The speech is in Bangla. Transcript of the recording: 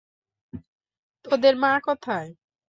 তোদের মা কোথায়?